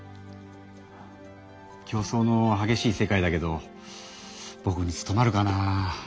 競争のはげしい世界だけどぼくに務まるかな。